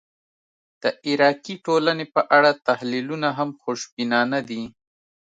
د عراقي ټولنې په اړه تحلیلونه هم خوشبینانه دي.